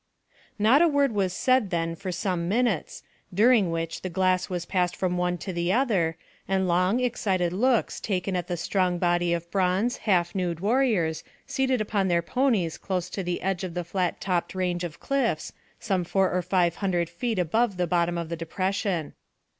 Not a word was said then for some minutes, during which the glass was passed from one to the other, and long, excited looks taken at the strong body of bronze, half nude warriors seated upon their ponies close to the edge of the flat topped range of cliffs, some four or five hundred feet above the bottom of the depression.